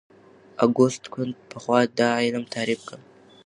اګوست کُنت پخوا دا علم تعریف کړ.